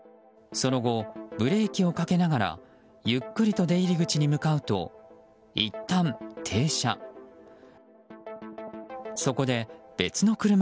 その後、ブレーキをかけながらゆっくりと出入り口に向かうといったん停車。